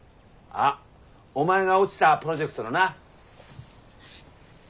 あお前が落ちたプロジェクトのな？